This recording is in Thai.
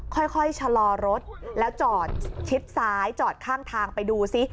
ค่อยชะลอรถแล้วจอดชิดซ้ายจอดข้างทางไปดูซิ